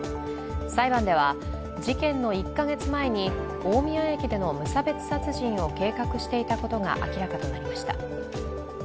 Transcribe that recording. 裁判では事件の１か月前に大宮駅での無差別殺人を計画していたことが明らかになりました。